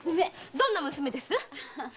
どんな娘ですっ？